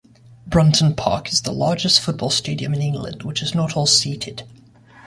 Brunton Park is the largest football stadium in England which is not all-seated.